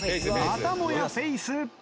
またもやフェイス。